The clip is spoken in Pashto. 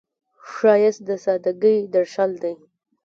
ښایست د سادګۍ درشل دی